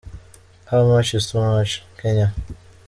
How Much Is Too Much – Kenya.